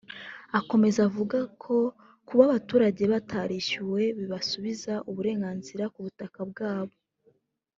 Akomeza avuga ko kuba abo baturage batarishyuwe bibasubiza uburenganzira ku butaka bwa bo